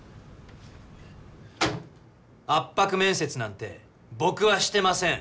圧迫面接なんて僕はしてません。